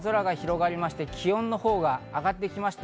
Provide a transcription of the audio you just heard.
関東地方、青空が広がりまして、気温のほうが上がってきました。